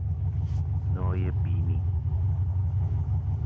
نای بینی